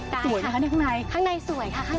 กลายค่ะค้างในสวยค่ะ